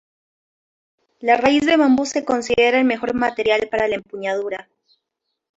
La raíz de bambú se considera el mejor material para la empuñadura.